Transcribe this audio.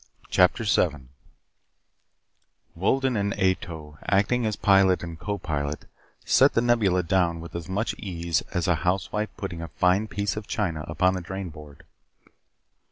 CHAPTER 7 Wolden and Ato, acting as pilot and co pilot, set The Nebula down with as much ease as a housewife putting a fine piece of china upon the drainboard.